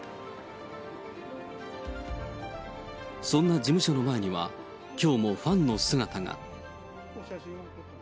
そんな事務所の前には、きょうもファンの姿が。